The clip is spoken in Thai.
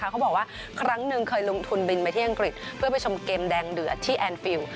เขาบอกว่าครั้งหนึ่งเคยลงทุนบินไปที่อังกฤษเพื่อไปชมเกมแดงเดือดที่แอนดฟิล